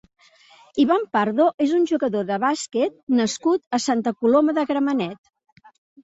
Iván Pardo és un jugador de bàsquet nascut a Santa Coloma de Gramenet.